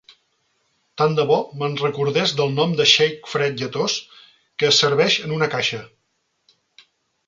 Tant de bo me'n recordés del nom de sake fred lletós que es serveix en una caixa.